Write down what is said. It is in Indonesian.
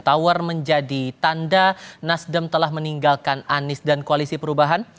tower menjadi tanda nasdem telah meninggalkan anies dan koalisi perubahan